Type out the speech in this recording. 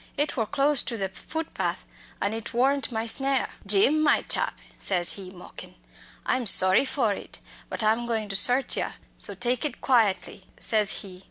It wor close to the footpath, and it worn't my snare." "'Jim, my chap,' says he, mockin', 'I'm sorry for it, but I'm going to search yer, so take it quietly,' says he.